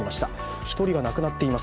１人が亡くなっています。